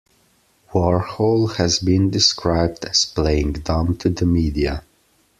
Warhol has been described as playing dumb to the media.